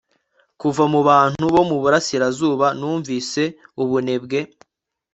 kuva mubantu bo muburasirazuba numvise ubunebwe